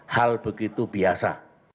hal begitu biasa